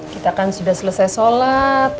kita kan sudah selesai sholat